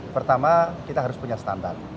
pertama kita harus punya standar